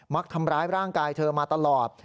ทำร้ายร่างกายเธอมาตลอด